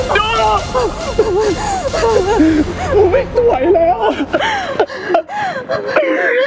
ช่วยด้วยช่วยด้วย